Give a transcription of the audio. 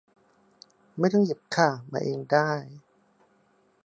ไม่ต้องหยิบค่ะ มาเองได้